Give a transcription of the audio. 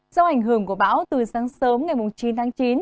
do ảnh hưởng của bão từ sáng sớm ngày chín tháng chín